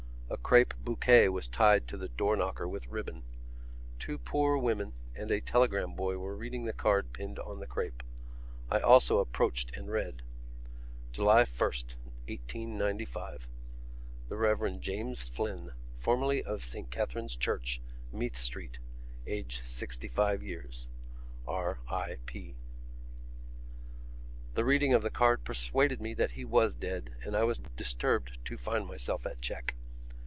A crape bouquet was tied to the door knocker with ribbon. Two poor women and a telegram boy were reading the card pinned on the crape. I also approached and read: July 1st, 1895 The Rev. James Flynn (formerly of S. Catherine's Church, Meath Street), aged sixty five years. R. I. P. The reading of the card persuaded me that he was dead and I was disturbed to find myself at check.